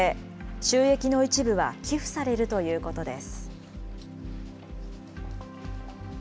収益の一部は寄付されるということです。